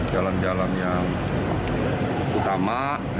jalan jalan yang utama